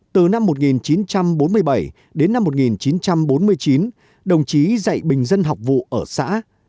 từ năm một nghìn chín trăm bốn mươi bảy đến năm một nghìn chín trăm bốn mươi chín đồng chí dạy bình dân học vụ ở xã